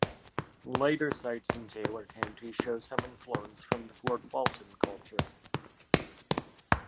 Later sites in Taylor County show some influence from the Fort Walton culture.